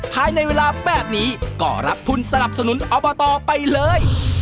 ภายในเวลาแบบนี้ก็รับทุนสนับสนุนอบตไปเลย